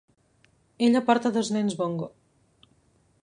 Ella porta dos nens bongo.